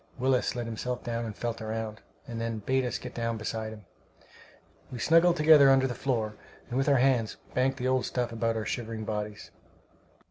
Willis let himself down and felt around, and then bade us get down beside him. We snuggled together under the floor, and with our hands banked the old stuff about our shivering bodies.